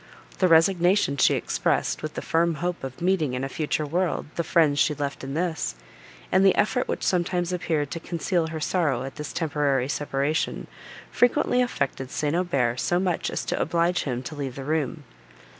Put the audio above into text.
The resignation she expressed, with the firm hope of meeting in a future world the friends she left in this, and the effort which sometimes appeared to conceal her sorrow at this temporary separation, frequently affected St. Aubert so much as to oblige him to leave the room.